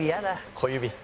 小指」